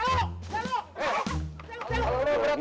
ayamnya lebih menang dari agak gini